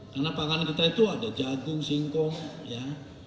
karena pangan kita itu ada jagung singkong ya